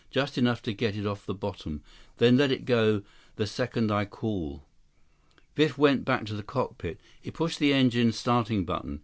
Just enough to get it off the bottom. Then let go the second I call." Biff went back to the cockpit. He pushed the engine's starting button.